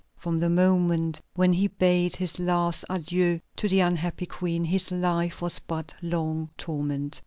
From the moment when he bade his last adieu to the unhappy Queen, his life was but one long torment.